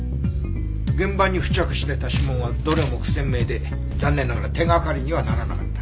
現場に付着してた指紋はどれも不鮮明で残念ながら手掛かりにはならなかった。